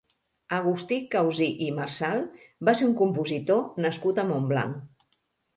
Agustí Causí i Marsal va ser un compositor nascut a Montblanc.